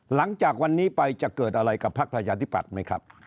หลังจากวันนี้ไปจะเกิดอะไรกับพักประชาธิปัตย์ไหมครับ